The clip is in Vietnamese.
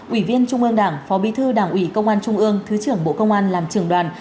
ủy viên trung ương đảng phó bí thư đảng ủy công an trung ương thứ trưởng bộ công an làm trường đoàn